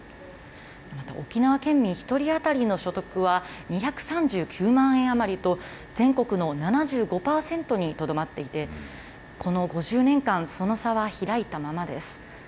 また、沖縄県民１人当たりの所得は、２３９万円余りと、全国の７５％にとどまっていて、この５０年間、その差は開いたままです。